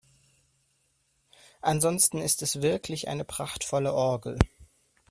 Ansonsten ist es wirklich eine prachtvolle Orgel.